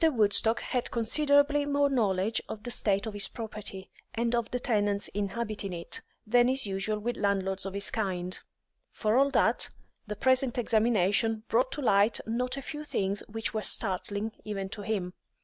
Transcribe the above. Woodstock had considerably more knowledge of the state of his property, and of the tenants inhabiting it, than is usual with landlords of his kind; for all that, the present examination brought to light not a few things which were startling even to him.